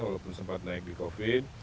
walaupun sempat naik di covid